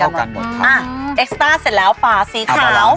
เอกสตาร์เสร็จแล้วฝาสีขาว